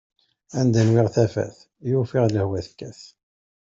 Anda nwiɣ tafat, i ufiɣ lehwa tekkat.